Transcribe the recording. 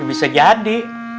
ya bisa jadi